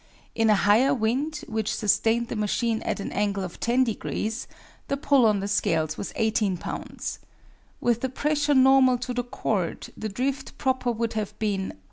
In a higher wind, which sustained the machine at an angle of 10 degrees, the pull on the scales was 18 lbs. With the pressure normal to the chord the drift proper would have been